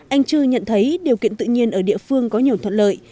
anh chư nhận thấy điều kiện tự nhiên ở địa phương có nhiều thuận lợi